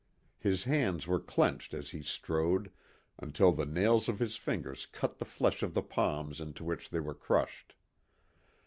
His hands were clenched as he strode, until the nails of his fingers cut the flesh of the palms into which they were crushed.